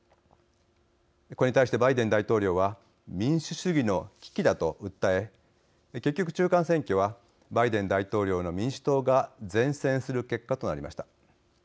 これに対して、バイデン大統領は民主主義の危機だと訴え結局、中間選挙はバイデン大統領の民主党が善戦する結果となりました。